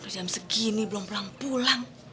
jam segini belum pulang pulang